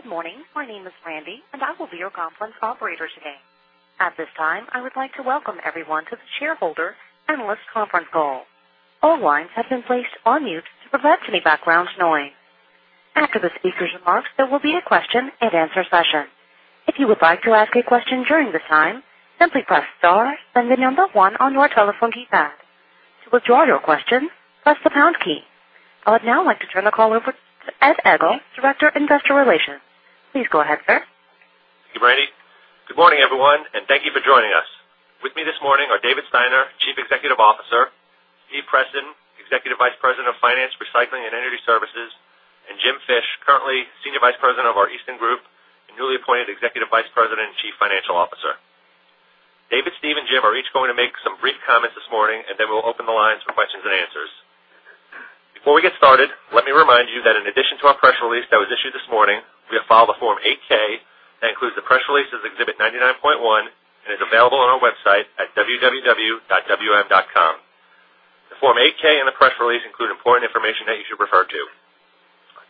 Good morning. My name is Randy, and I will be your conference operator today. At this time, I would like to welcome everyone to the shareholder analyst conference call. All lines have been placed on mute to prevent any background noise. After the speaker's remarks, there will be a question-and-answer session. If you would like to ask a question during this time, simply press star, then the number one on your telephone keypad. To withdraw your question, press the pound key. I would now like to turn the call over to Ed Egl, Director of Investor Relations. Please go ahead, sir. Thank you, Randy. Good morning, everyone, and thank you for joining us. With me this morning are David Steiner, Chief Executive Officer, Steve Preston, Executive Vice President of Finance, Recycling and Energy Services, and Jim Fish, currently Senior Vice President of our Eastern Group and newly appointed Executive Vice President and Chief Financial Officer. David, Steve, and Jim are each going to make some brief comments this morning, and then we'll open the lines for questions and answers. Before we get started, let me remind you that in addition to our press release that was issued this morning, we have filed a Form 8-K that includes the press release as Exhibit 99.1 and is available on our website at www.wm.com. The Form 8-K and the press release include important information that you should refer to.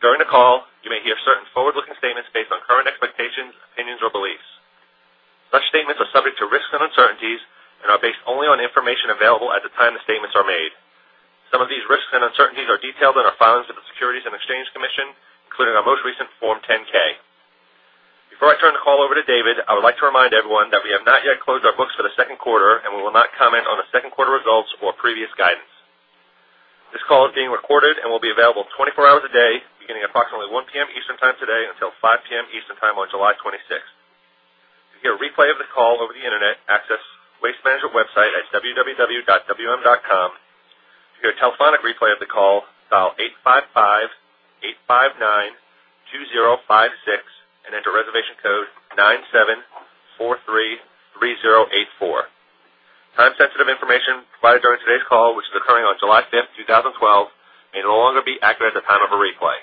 During the call, you may hear certain forward-looking statements based on current expectations, opinions, or beliefs. Such statements are subject to risks and uncertainties and are based only on information available at the time the statements are made. Some of these risks and uncertainties are detailed in our filings with the Securities and Exchange Commission, including our most recent Form 10-K. Before I turn the call over to David, I would like to remind everyone that we have not yet closed our books for the second quarter, and we will not comment on the second quarter results or previous guidance. This call is being recorded and will be available 24 hours a day, beginning approximately 1:00 P.M. Eastern time today until 5:00 P.M. Eastern time on July 26th. To get a replay of the call over the Internet, access Waste Management website at www.wm.com. To get a telephonic replay of the call, dial 855-859-2056 and enter reservation code 97433084. Time-sensitive information provided during today's call, which is occurring on July 5, 2012, may no longer be accurate at the time of a replay.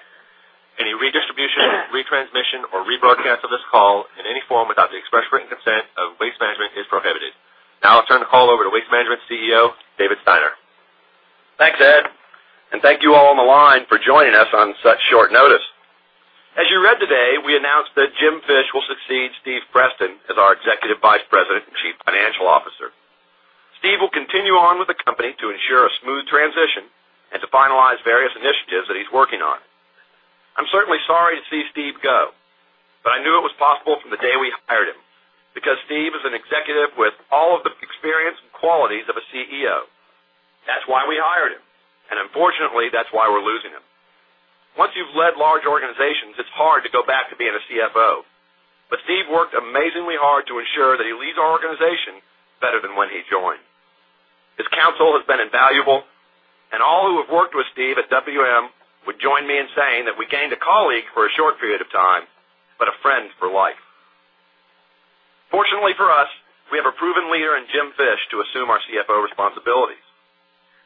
Any redistribution, retransmission, or rebroadcast of this call in any form without the express written consent of Waste Management is prohibited. I'll turn the call over to Waste Management CEO, David Steiner. Thanks, Ed. Thank you all on the line for joining us on such short notice. As you read today, we announced that Jim Fish will succeed Steve Preston as our Executive Vice President and Chief Financial Officer. Steve will continue on with the company to ensure a smooth transition and to finalize various initiatives that he's working on. I'm certainly sorry to see Steve go, but I knew it was possible from the day we hired him because Steve is an executive with all of the experience and qualities of a CEO. That's why we hired him, and unfortunately, that's why we're losing him. Once you've led large organizations, it's hard to go back to being a CFO, but Steve worked amazingly hard to ensure that he leaves our organization better than when he joined. His counsel has been invaluable, and all who have worked with Steve at WM would join me in saying that we gained a colleague for a short period of time, but a friend for life. Fortunately for us, we have a proven leader in Jim Fish to assume our CFO responsibilities.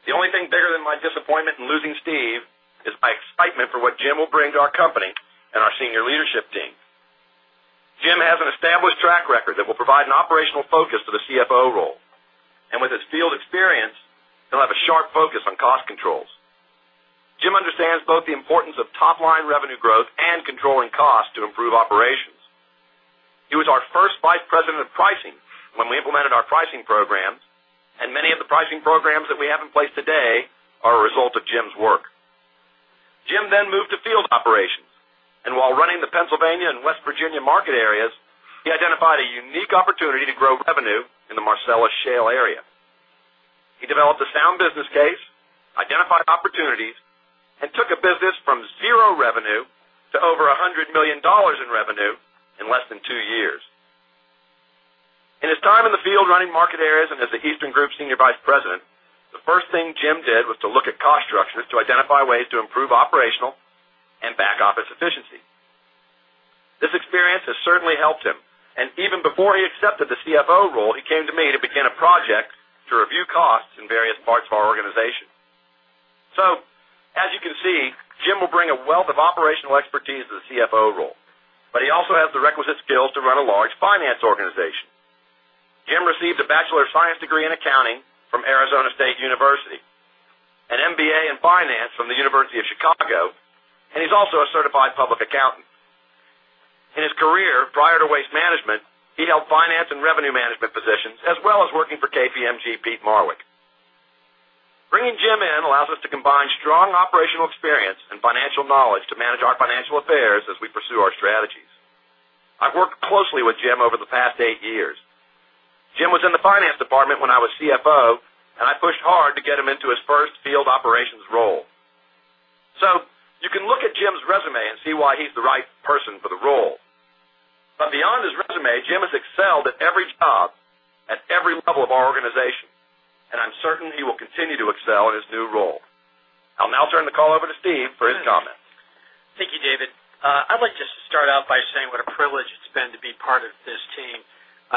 The only thing bigger than my disappointment in losing Steve is my excitement for what Jim will bring to our company and our senior leadership team. Jim has an established track record that will provide an operational focus to the CFO role, and with his field experience, he'll have a sharp focus on cost controls. Jim understands both the importance of top-line revenue growth and controlling costs to improve operations. He was our first vice president of pricing when we implemented our pricing programs, and many of the pricing programs that we have in place today are a result of Jim's work. Jim moved to field operations, and while running the Pennsylvania and West Virginia market areas, he identified a unique opportunity to grow revenue in the Marcellus Shale area. He developed a sound business case, identified opportunities, and took a business from zero revenue to over $100 million in revenue in less than two years. In his time in the field running market areas and as the Eastern Group senior vice president, the first thing Jim did was to look at cost structures to identify ways to improve operational and back office efficiency. This experience has certainly helped him, and even before he accepted the CFO role, he came to me to begin a project to review costs in various parts of our organization. As you can see, Jim will bring a wealth of operational expertise to the CFO role, but he also has the requisite skills to run a large finance organization. Jim received a Bachelor of Science degree in Accounting from Arizona State University, an MBA in Finance from the University of Chicago, and he's also a certified public accountant. In his career, prior to Waste Management, he held finance and revenue management positions, as well as working for KPMG Peat Marwick. Bringing Jim in allows us to combine strong operational experience and financial knowledge to manage our financial affairs as we pursue our strategies. I've worked closely with Jim over the past eight years. Jim was in the finance department when I was CFO. I pushed hard to get him into his first field operations role. You can look at Jim's resume and see why he's the right person for the role. Beyond his resume, Jim has excelled at every job at every level of our organization. I'm certain he will continue to excel in his new role. I'll now turn the call over to Steve for his comments. Thank you, David. I'd like just to start out by saying what a privilege it's been to be part of this team.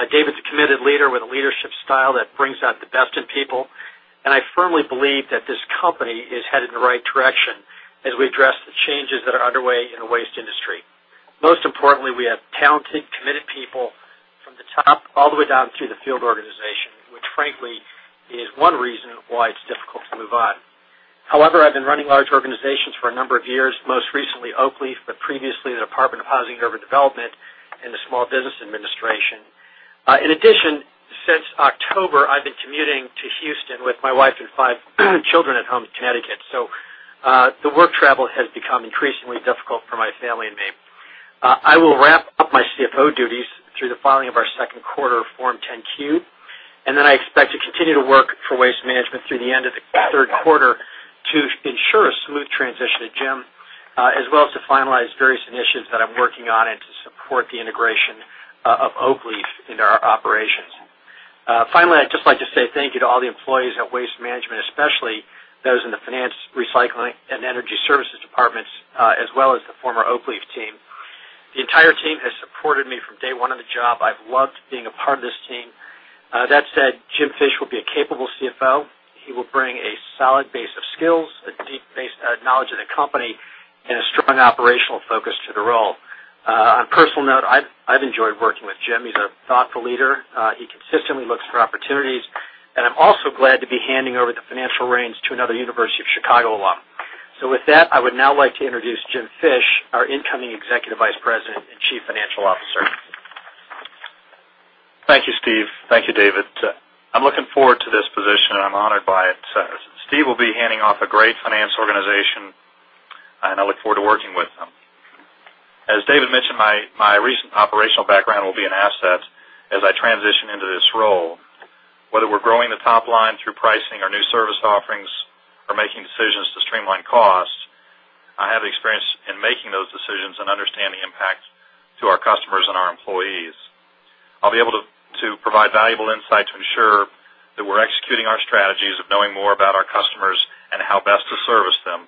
David's a committed leader with a leadership style that brings out the best in people. I firmly believe that this company is headed in the right direction as we address the changes that are underway in the waste industry. Most importantly, we have talented, committed people top all the way down to the field organization, which frankly is one reason why it's difficult to move on. However, I've been running large organizations for a number of years, most recently Oakleaf, but previously the Department of Housing and Urban Development and the Small Business Administration. In addition, since October, I've been commuting to Houston with my wife and five children at home in Connecticut. The work travel has become increasingly difficult for my family and me. I will wrap up my CFO duties through the filing of our second quarter Form 10-Q. I expect to continue to work for Waste Management through the end of the third quarter to ensure a smooth transition to Jim, as well as to finalize various initiatives that I'm working on and to support the integration of Oakleaf into our operations. Finally, I'd just like to say thank you to all the employees at Waste Management, especially those in the finance, recycling, and energy services departments, as well as the former Oakleaf team. The entire team has supported me from day one on the job. I've loved being a part of this team. That said, Jim Fish will be a capable CFO. He will bring a solid base of skills, a deep-based knowledge of the company, and a strong operational focus to the role. On a personal note, I've enjoyed working with Jim. He's a thoughtful leader. He consistently looks for opportunities. I'm also glad to be handing over the financial reins to another University of Chicago alum. With that, I would now like to introduce Jim Fish, our incoming Executive Vice President and Chief Financial Officer. Thank you, Steve. Thank you, David. I'm looking forward to this position, and I'm honored by it. Steve will be handing off a great finance organization, and I look forward to working with him. As David mentioned, my recent operational background will be an asset as I transition into this role. Whether we're growing the top line through pricing our new service offerings or making decisions to streamline costs, I have experience in making those decisions and understanding impact to our customers and our employees. I'll be able to provide valuable insight to ensure that we're executing our strategies of knowing more about our customers and how best to service them,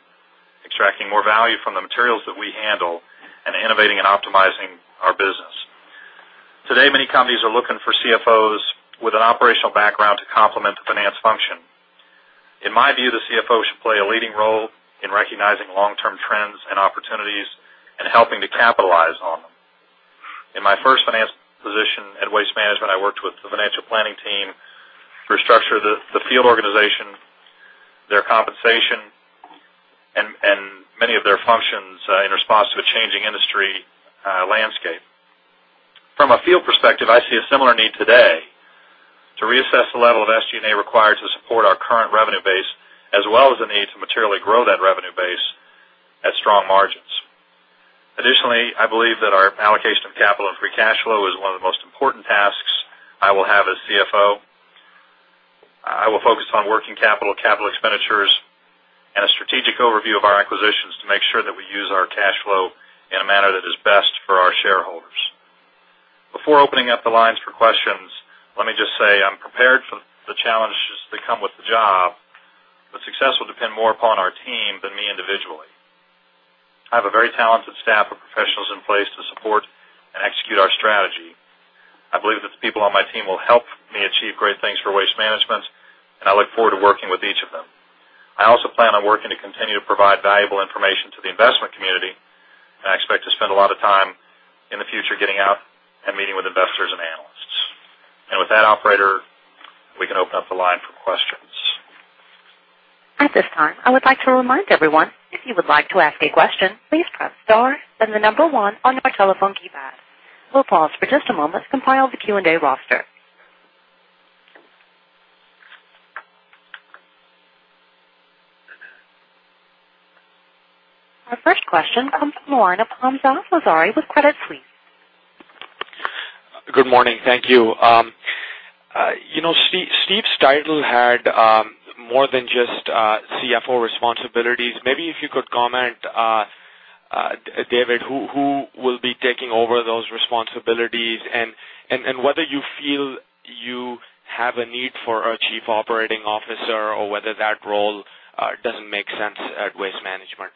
extracting more value from the materials that we handle, and innovating and optimizing our business. Today, many companies are looking for CFOs with an operational background to complement the finance function. In my view, the CFO should play a leading role in recognizing long-term trends and opportunities and helping to capitalize on them. In my first finance position at Waste Management, I worked with the financial planning team to restructure the field organization, their compensation, and many of their functions in response to a changing industry landscape. From a field perspective, I see a similar need today to reassess the level of SG&A required to support our current revenue base, as well as the need to materially grow that revenue base at strong margins. Additionally, I believe that our allocation of capital and free cash flow is one of the most important tasks I will have as CFO. I will focus on working capital expenditures, and a strategic overview of our acquisitions to make sure that we use our cash flow in a manner that is best for our shareholders. Before opening up the lines for questions, let me just say I'm prepared for the challenges that come with the job, but success will depend more upon our team than me individually. I have a very talented staff of professionals in place to support and execute our strategy. I believe that the people on my team will help me achieve great things for Waste Management, and I look forward to working with each of them. I also plan on working to continue to provide valuable information to the investment community, and I expect to spend a lot of time in the future getting out and meeting with investors and analysts. With that, operator, we can open up the line for questions. At this time, I would like to remind everyone, if you would like to ask a question, please press star, then the number one on your telephone keypad. We'll pause for just a moment to compile the Q&A roster. Our first question comes from Hamzah Mazari with Credit Suisse. Good morning. Thank you. Steve's title had more than just CFO responsibilities. Maybe if you could comment, David, who will be taking over those responsibilities and whether you feel you have a need for a Chief Operating Officer or whether that role doesn't make sense at Waste Management?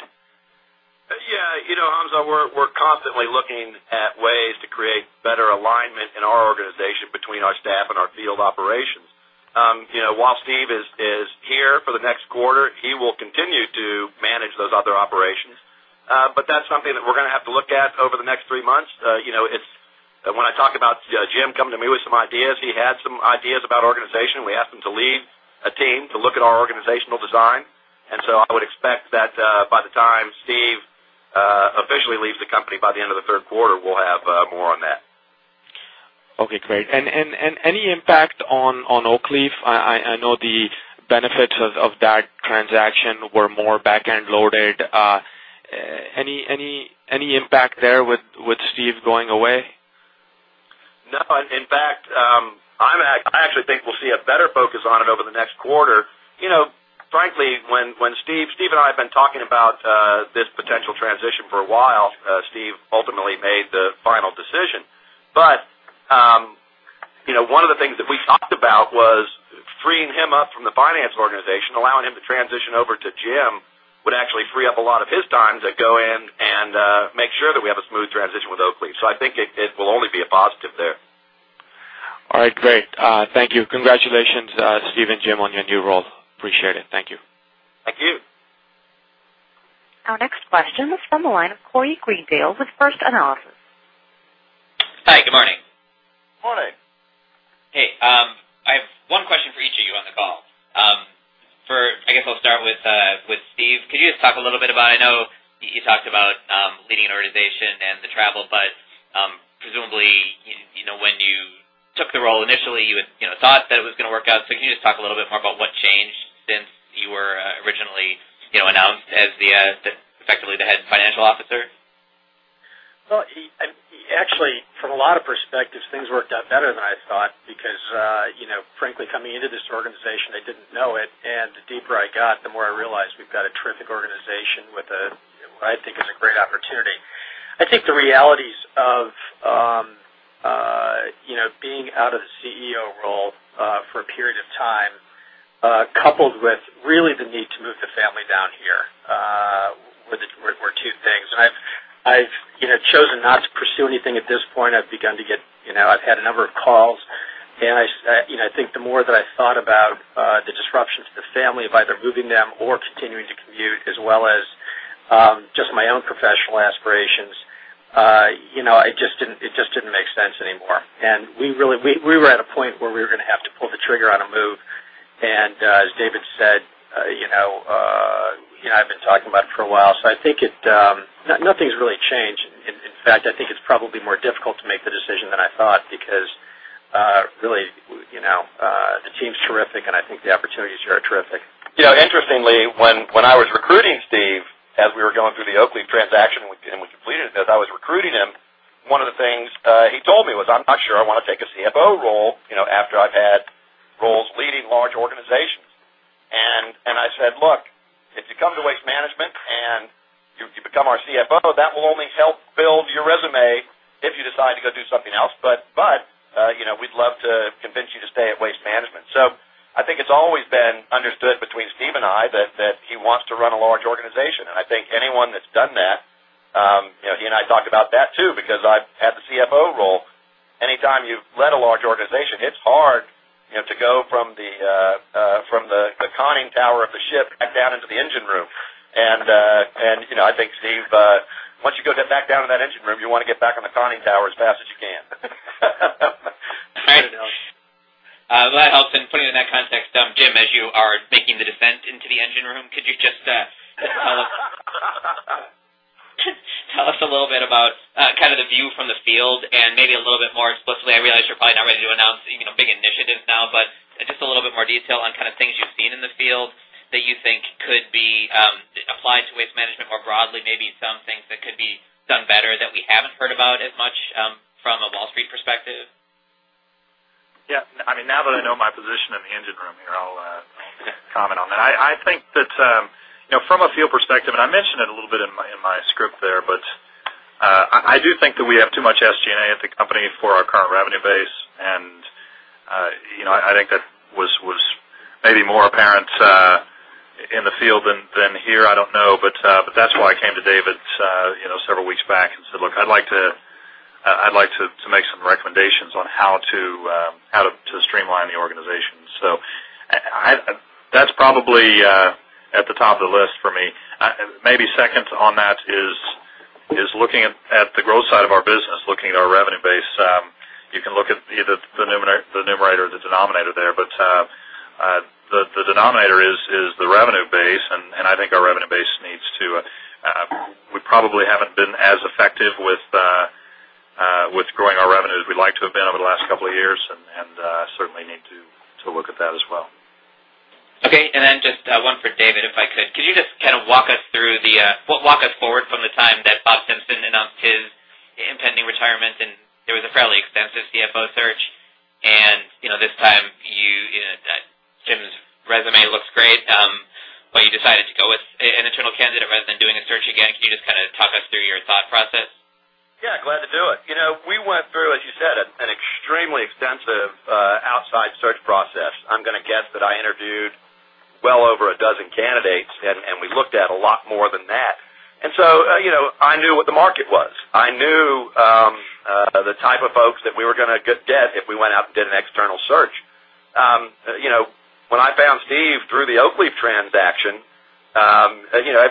Yeah. Hamzah, we're constantly looking at ways to create better alignment in our organization between our staff and our field operations. While Steve is here for the next quarter, he will continue to manage those other operations. That's something that we're going to have to look at over the next three months. When I talk about Jim coming to me with some ideas, he had some ideas about organization. We asked him to lead a team to look at our organizational design, I would expect that by the time Steve officially leaves the company by the end of the third quarter, we'll have more on that. Okay, great. Any impact on Oakleaf? I know the benefits of that transaction were more back-end loaded. Any impact there with Steve going away? None. In fact, I actually think we'll see a better focus on it over the next quarter. Frankly, when Steve and I have been talking about this potential transition for a while, Steve ultimately made the final decision. One of the things that we talked about was freeing him up from the finance organization, allowing him to transition over to Jim would actually free up a lot of his time to go in and make sure that we have a smooth transition with Oakleaf. I think it will only be a positive there. All right, great. Thank you. Congratulations, Steve and Jim, on your new role. Appreciate it. Thank you. Our next question is from the line of Corey Greendale with First Analysis. Hi, good morning. Morning. Hey, I have one question for each of you on the call. I guess I'll start with Steve. Could you just talk a little bit about, I know you talked about leading an organization and the travel, presumably, when you took the role initially, you had thought that it was going to work out. Can you just talk a little bit more about what changed since you were originally announced as effectively the head financial officer? Well, actually, from a lot of perspectives, things worked out better than I thought because, frankly, coming into this organization, I didn't know it, and the deeper I got, the more I realized we've got a terrific organization with what I think is a great opportunity. I think the realities of being out of the CEO role for a period of time, coupled with really the need to move the family down here, were two things. I've chosen not to pursue anything at this point. I've had a number of calls, I think the more that I thought about the disruption to the family of either moving them or continuing to commute, as well as just my own professional aspirations, it just didn't make sense anymore. We were at a point where we were going to have to pull the trigger on a move, and as David said, I've been talking about it for a while, I think nothing's really changed. In fact, I think it's probably more difficult to make the decision than I thought because really, the team's terrific, I think the opportunities here are terrific. Interestingly, when I was recruiting Steve, as we were going through the Oakleaf transaction and we completed it, as I was recruiting him, one of the things he told me was, "I'm not sure I want to take a CFO role after I've had roles leading large organizations." I said, "Look, if you come to Waste Management and you become our CFO, that will only help build your resume if you decide to go do something else. We'd love to convince you to stay at Waste Management." I think it's always been understood between Steve and I that he wants to run a large organization. I think anyone that's done that, he and I talked about that too, because I've had the CFO role. Anytime you've led a large organization, it's hard to go from the conning tower of the ship back down into the engine room. I think Steve, once you go back down to that engine room, you want to get back on the conning tower as fast as you can. Well, that helps in putting it in that context. Jim, as you are making the descent into the engine room, could you tell us a little bit about the view from the field and maybe a little bit more explicitly, I realize you're probably not ready to announce big initiatives now, but just a little bit more detail on things you've seen in the field that you think could be applied to Waste Management more broadly, maybe some things that could be done better that we haven't heard about as much from a Wall Street perspective. Yeah. Now that I know my position in the engine room here, I'll comment on that. I think that from a field perspective, and I mentioned it a little bit in my script there, I do think that we have too much SG&A at the company for our current revenue base, and I think that was maybe more apparent in the field than here, I don't know. That's why I came to David several weeks back and said, "Look, I'd like to make some recommendations on how to streamline the organization." That's probably at the top of the list for me. Maybe second on that is looking at the growth side of our business, looking at our revenue base. You can look at either the numerator or the denominator there, the denominator is the revenue base, and I think our revenue base. We probably haven't been as effective with growing our revenue as we'd like to have been over the last couple of years, and certainly need to look at that as well. Okay. Then just one for David, if I could. Could you just walk us forward from the time that Bob Simpson announced his impending retirement, and there was a fairly extensive CFO search, and this time, Jim's resume looks great. Why you decided to go with an internal candidate rather than doing a search again? Can you just talk us through your thought process? Yeah, glad to do it. We went through, as you said, an extremely extensive outside search process. I'm going to guess that I interviewed well over 12 candidates, we looked at a lot more than that. I knew what the market was. I knew the type of folks that we were going to get if we went out and did an external search. When I found Steve through the Oakleaf transaction,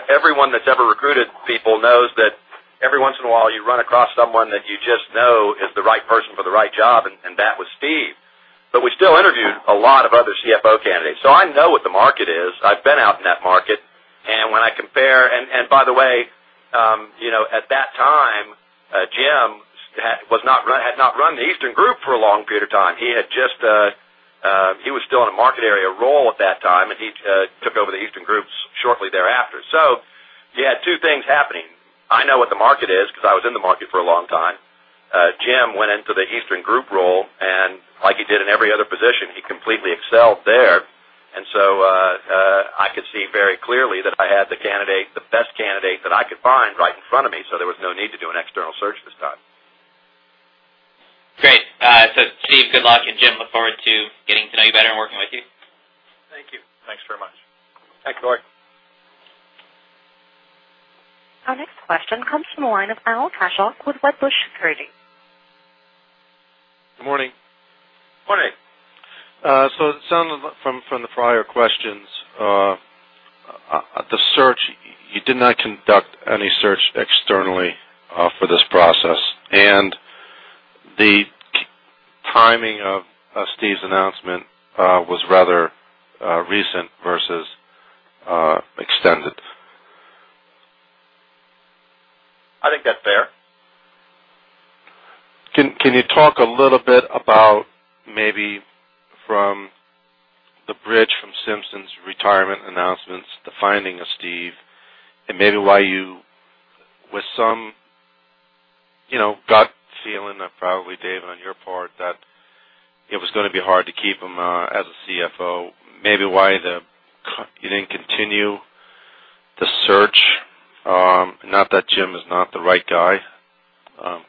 everyone that's ever recruited people knows that every once in a while, you run across someone that you just know is the right person for the right job, and that was Steve. We still interviewed a lot of other CFO candidates. I know what the market is. I've been out in that market. When I compare, and by the way, at that time, Jim had not run the Eastern Group for a long period of time. He was still in a market area role at that time, he took over the Eastern Group shortly thereafter. You had two things happening. I know what the market is because I was in the market for a long time. Jim went into the Eastern Group role, and like he did in every other position, he completely excelled there. I could see very clearly that I had the best candidate that I could find right in front of me, so there was no need to do an external search this time. Great. Steve, good luck, and Jim, look forward to getting to know you better and working with you. Thank you. Thanks very much. Thanks, Corey. Our next question comes from the line of Alun Tashock with Wedbush Securities. It sounds from the prior questions, the search, you did not conduct any search externally for this process, and the timing of Steve's announcement was rather recent versus extended. I think that's fair. Can you talk a little bit about maybe from the bridge from Simpson's retirement announcements, the finding of Steve, and maybe why you, with some gut feeling, probably David on your part, that it was going to be hard to keep him as a CFO. Maybe why you didn't continue the search? Not that Jim is not the right guy.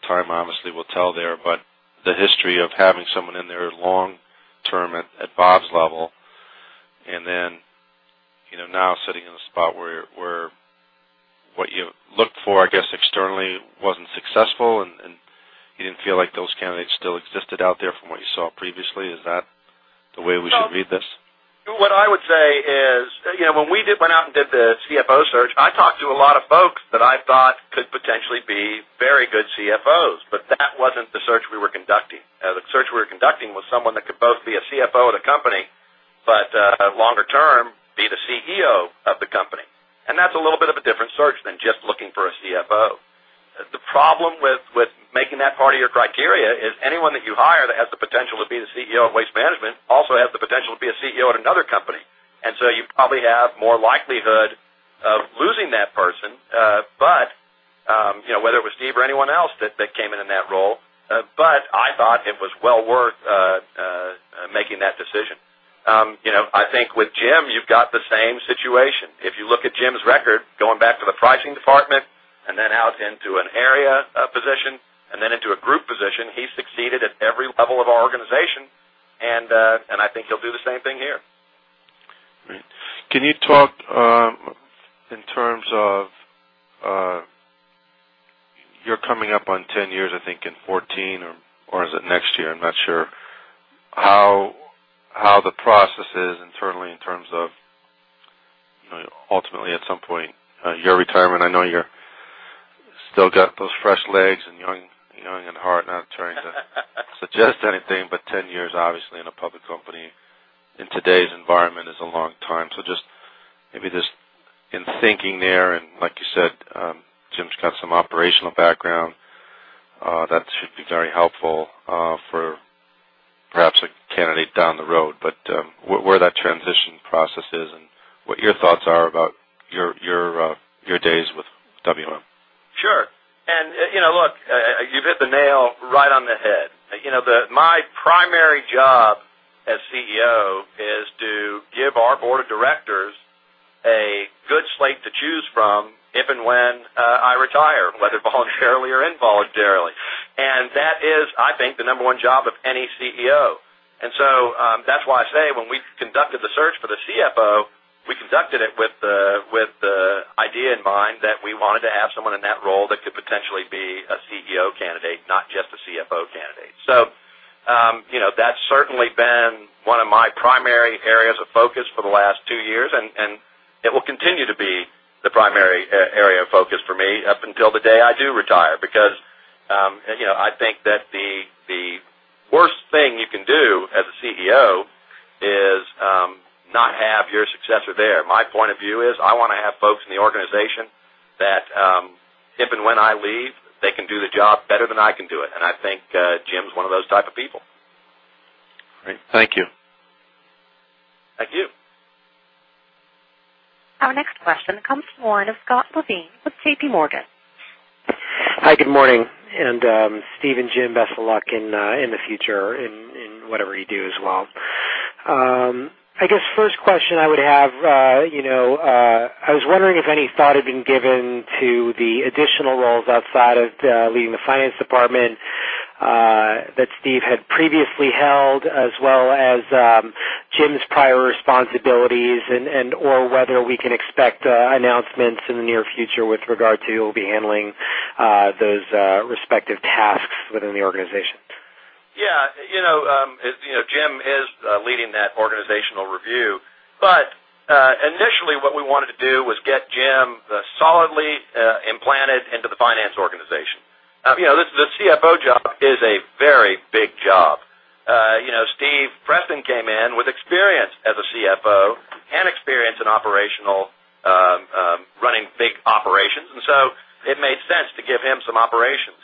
Time honestly will tell there, but the history of having someone in there long-term at Bob's level, and then now sitting in a spot where what you looked for, I guess, externally wasn't successful, and you didn't feel like those candidates still existed out there from what you saw previously. Is that the way we should read this? What I would say is, when we went out and did the CFO search, I talked to a lot of folks that I thought could potentially be very good CFOs, but that wasn't the search we were conducting. The search we were conducting was someone that could both be a CFO of the company, but longer term, be the CEO of the company. That's a little bit of a different search than just looking for a CFO. The problem with making that part of your criteria is anyone that you hire that has the potential to be the CEO of Waste Management also has the potential to be a CEO at another company. You probably have more likelihood of losing that person, whether it was Steve or anyone else that came in in that role. I thought it was well worth making that decision. I think with Jim, you've got the same situation. If you look at Jim's record, going back to the pricing department and then out into an area position and then into a group position, he succeeded at every level of our organization, and I think he'll do the same thing here. Can you talk in terms of, you're coming up on 10 years, I think in 2014 or is it next year? I'm not sure. How the process is internally in terms of, ultimately at some point, your retirement. I know you still got those fresh legs and young in heart. Not trying to suggest anything, 10 years, obviously, in a public company in today's environment is a long time. Just maybe just in thinking there, and like you said, Jim's got some operational background that should be very helpful for perhaps a candidate down the road, but where that transition process is and what your thoughts are about your days with WM. Sure. Look, you hit the nail right on the head. My primary job as CEO is to give our board of directors a good slate to choose from if and when I retire, whether voluntarily or involuntarily. That is, I think, the number 1 job of any CEO. That's why I say when we conducted the search for the CFO, we conducted it with the idea in mind that we wanted to have someone in that role that could potentially be a CEO candidate, not just a CFO candidate. That's certainly been one of my primary areas of focus for the last 2 years, and it will continue to be the primary area of focus for me up until the day I do retire, because, I think that the worst thing you can do as a CEO is not have your successor there. My point of view is I want to have folks in the organization that, if and when I leave, they can do the job better than I can do it, and I think Jim's one of those type of people. Great. Thank you. Thank you. Our next question comes from the line of Scott Levine with JPMorgan. Hi, good morning. Steve and Jim, best of luck in the future in whatever you do as well. I guess first question I would have, I was wondering if any thought had been given to the additional roles outside of leading the finance department that Steven Preston had previously held, as well as Jim's prior responsibilities and/or whether we can expect announcements in the near future with regard to who will be handling those respective tasks within the organization. Yeah. Jim is leading that organizational review, but initially what we wanted to do was get Jim solidly implanted into the finance organization. The CFO job is a very big job. Steven Preston came in with experience as a CFO and experience in operational, running big operations, and so it made sense to give him some operations.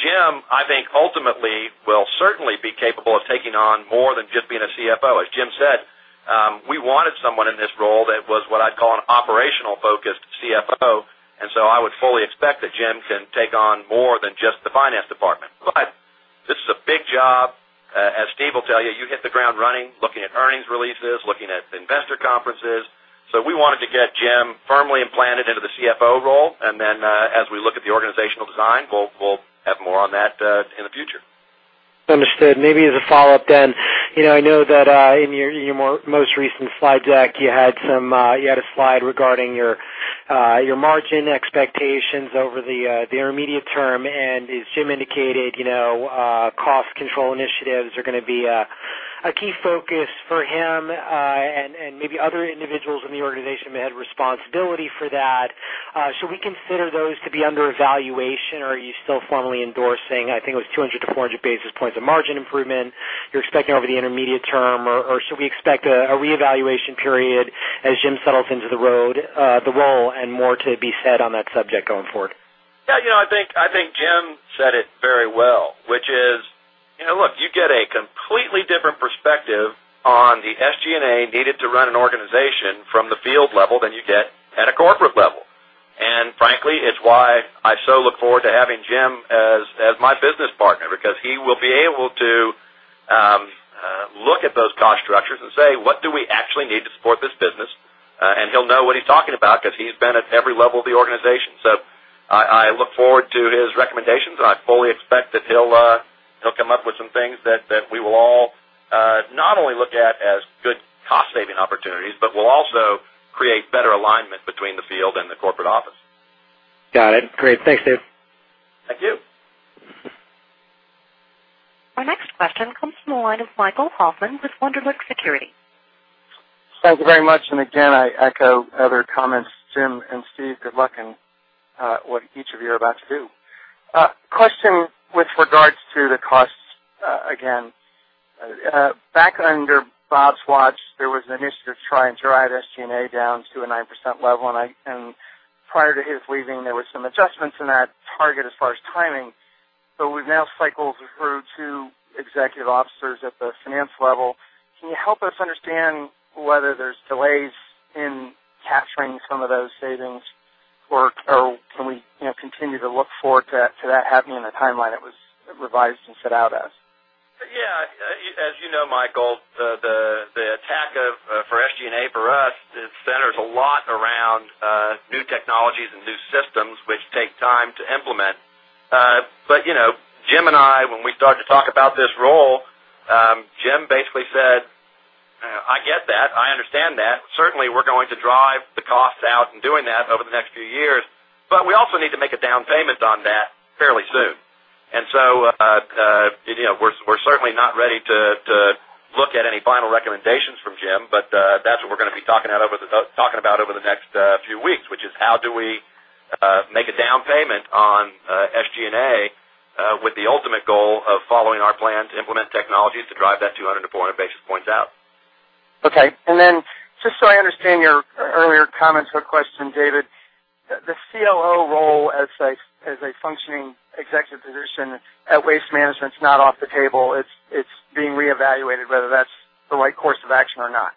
Jim, I think, ultimately will certainly be capable of taking on more than just being a CFO. As Jim said, we wanted someone in this role that was what I'd call an operational-focused CFO. I would fully expect that Jim can take on more than just the finance department. This is a big job. As Steven Preston will tell you, hit the ground running, looking at earnings releases, looking at investor conferences. We wanted to get Jim firmly implanted into the CFO role. As we look at the organizational design, we'll have more on that in the future. Understood. Maybe as a follow-up, I know that in your most recent slide deck, you had a slide regarding your margin expectations over the intermediate term and as Jim indicated, cost control initiatives are going to be a key focus for him and maybe other individuals in the organization may have responsibility for that. Should we consider those to be under evaluation or are you still formally endorsing, I think it was 200-400 basis points of margin improvement you're expecting over the intermediate term? Should we expect a reevaluation period as Jim settles into the role and more to be said on that subject going forward? Yeah. I think Jim said it very well, which is, look, you get a completely different perspective on the SG&A needed to run an organization from the field level than you get at a corporate level. Frankly, it's why I so look forward to having Jim as my business partner, because he will be able to look at those cost structures and say, "What do we actually need to support this business?" He'll know what he's talking about because he's been at every level of the organization. I look forward to his recommendations, and I fully expect that he'll come up with some things that we will all not only look at as good cost saving opportunities, but will also create better alignment between the field and the corporate office. Got it. Great. Thanks, Steve. Thank you. Our next question comes from the line of Michael Hoffman with Wunderlich Securities. Thank you very much, again, I echo other comments. Jim and Steve, good luck in what each of you are about to do. Question with regards to the costs again. Back under Bob's watch, there was an initiative to try and drive SG&A down to a 9% level, Prior to his leaving, there were some adjustments in that target as far as timing. We've now cycled through two executive officers at the finance level. Can you help us understand whether there's delays in capturing some of those savings or can we continue to look forward to that happening in the timeline it was revised and set out as? Yeah. As you know, Michael, the attack for SG&A for us, it centers a lot around new technologies and new systems which take time to implement. Jim and I, when we started to talk about this role, Jim basically said, "I get that, I understand that. Certainly, we're going to drive the costs out in doing that over the next few years. We also need to make a down payment on that fairly soon." We're certainly not ready to look at any final recommendations from Jim. That's what we're going to be talking about over the next few weeks, which is how do we make a down payment on SG&A with the ultimate goal of following our plan to implement technologies to drive that 200 to 400 basis points out. Okay. Just so I understand your earlier comments or question, David, the COO role as a functioning executive position at Waste Management is not off the table. It's being reevaluated whether that's the right course of action or not.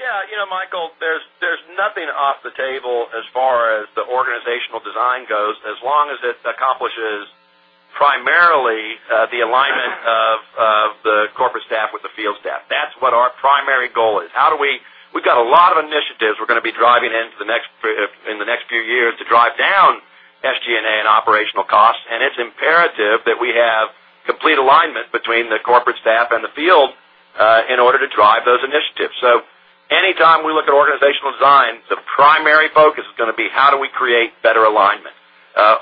Yeah. Michael, there's nothing off the table as far as the organizational design goes, as long as it accomplishes primarily the alignment of the corporate staff with the field staff. That's what our primary goal is. We've got a lot of initiatives we're going to be driving in the next few years to drive down SG&A and operational costs. It's imperative that we have complete alignment between the corporate staff and the field in order to drive those initiatives. Anytime we look at organizational design, the primary focus is going to be how do we create better alignment?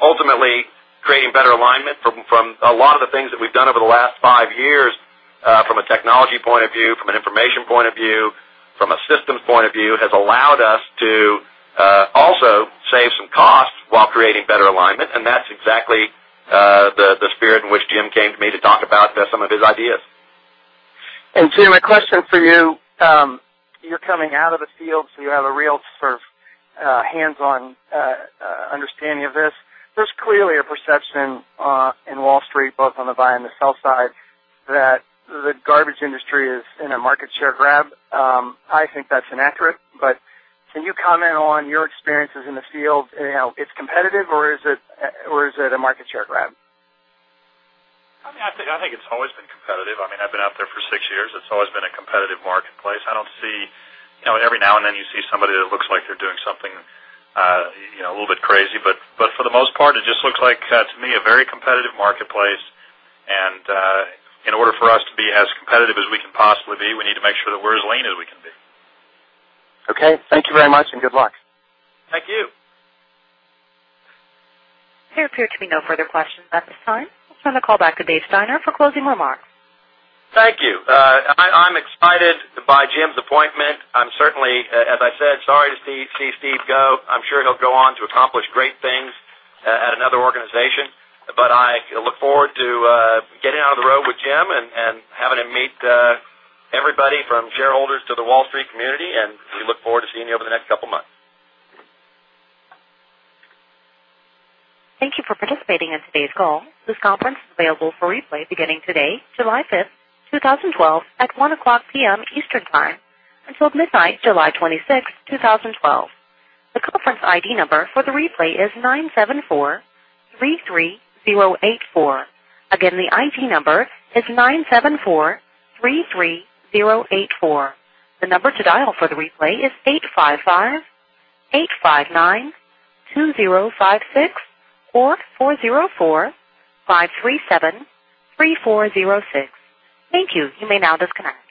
Ultimately, creating better alignment from a lot of the things that we've done over the last five years from a technology point of view, from an information point of view, from a systems point of view, has allowed us to also save some costs while creating better alignment. That's exactly the spirit in which Jim came to me to talk about some of his ideas. Jim, a question for you. You're coming out of the field, so you have a real sort of hands-on understanding of this. There's clearly a perception in Wall Street, both on the buy and the sell side, that the garbage industry is in a market share grab. I think that's inaccurate, can you comment on your experiences in the field? It's competitive or is it a market share grab? I think it's always been competitive. I've been out there for six years. It's always been a competitive marketplace. Every now and then, you see somebody that looks like they're doing something a little bit crazy, but for the most part, it just looks like, to me, a very competitive marketplace. In order for us to be as competitive as we can possibly be, we need to make sure that we're as lean as we can be. Okay. Thank you very much and good luck. Thank you. There appear to be no further questions at this time. I'll turn the call back to Dave Steiner for closing remarks. Thank you. I'm excited by Jim's appointment. I'm certainly, as I said, sorry to see Steve go. I'm sure he'll go on to accomplish great things at another organization. I look forward to getting out on the road with Jim and having him meet everybody from shareholders to the Wall Street community, and we look forward to seeing you over the next couple of months. Thank you for participating in today's call. This conference is available for replay beginning today, July fifth, 2012, at 1:00 P.M. Eastern Time until midnight July 26th, 2012. The conference ID number for the replay is nine seven four three three zero eight four. Again, the ID number is nine seven four three three zero eight four. The number to dial for the replay is eight five five eight five nine two zero five six or four zero four five three seven three four zero six. Thank you. You may now disconnect.